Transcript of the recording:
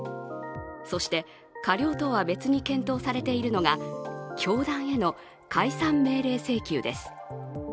そして、過料とは別に検討されているのが教団への解散命令請求です。